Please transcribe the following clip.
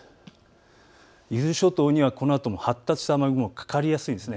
伊豆諸島にはこのあとも発達した雨雲がかかりやすいです。